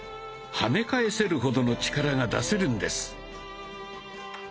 はね返せるほどの力が出せるんです。